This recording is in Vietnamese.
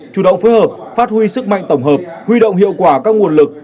chủ động phối hợp phát huy sức mạnh tổng hợp huy động hiệu quả các nguồn lực